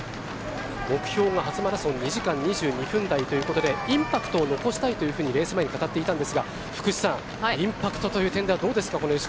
目標が初マラソン２時間２２分台ということでインパクトを残したいとレース前に語っていたんですが福士さん、インパクトという点ではどうですか？